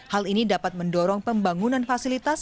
hal ini dapat mendorong pembangunan fasilitas